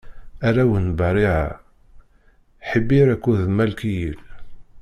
Arraw n Bariɛa: Ḥibir akked Malkiyil.